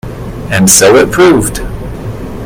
And so it proved.